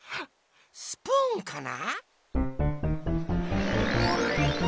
スプーンかな？